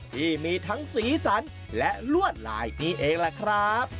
ที่มีทั้งสีสันและลวดลายนี่เองแหละครับ